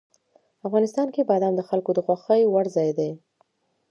افغانستان کې بادام د خلکو د خوښې وړ ځای دی.